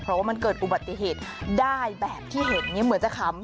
เพราะว่ามันเกิดอุบัติเหตุได้แบบที่เห็นเหมือนจะขำ